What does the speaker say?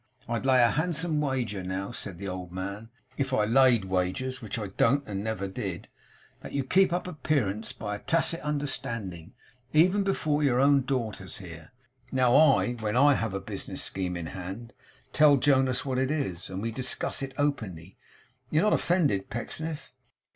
I'd lay a handsome wager now,' said the old man, 'if I laid wagers, which I don't and never did, that you keep up appearances by a tacit understanding, even before your own daughters here. Now I, when I have a business scheme in hand, tell Jonas what it is, and we discuss it openly. You're not offended, Pecksniff?